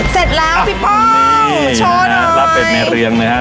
เสร็จแล้วพี่ป้องโชว์หน่อยลาเบ็ดในเรืองเลยฮะ